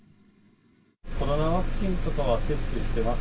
コロナワクチンとかは接種してます？